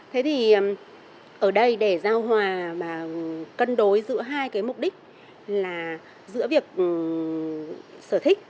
thế thì ở đây để giao hòa mà cân đối giữa hai cái mục đích là giữa việc sở thích